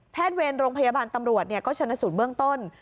แพทย์เวรโรงพยาบาลตำรวจเนี่ยก็ชนสูตรเบื้องต้น